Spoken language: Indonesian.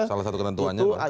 salah satu ketentuannya pak